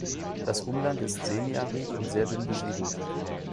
Das Umland ist semiarid und sehr dünn besiedelt.